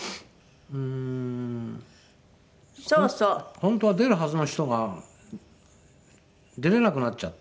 本当は出るはずの人が出れなくなっちゃって。